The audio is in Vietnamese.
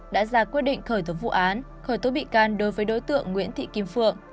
đã ra quyết định khởi tố vụ án khởi tố bị can đối với đối tượng nguyễn thị kim phượng